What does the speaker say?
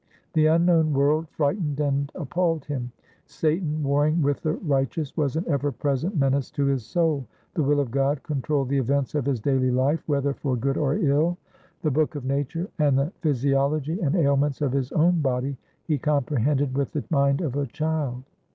The unknown world frightened and appalled him; Satan warring with the righteous was an ever present menace to his soul; the will of God controlled the events of his daily life, whether for good or ill. The book of nature and the physiology and ailments of his own body he comprehended with the mind of a child.